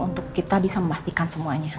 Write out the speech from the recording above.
untuk kita bisa memastikan semuanya